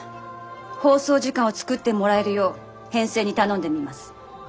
放送時間を作ってもらえるよう編成に頼んでみます。